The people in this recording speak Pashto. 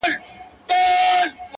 کدو د کرنې یو ګټور محصول دی.